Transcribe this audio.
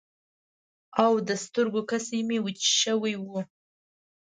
او د سترګو کسی مې وچ شوي وو.